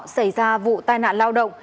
xảy ra vụ tai nạn lao động